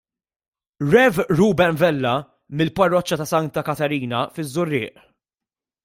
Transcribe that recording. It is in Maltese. Rev. Reuben Vella mill-parroċċa ta' Santa Katarina fiż-Żurrieq.